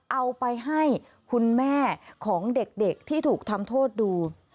เอาไปให้คุณแม่ของเด็กที่ถูกทำโทษดู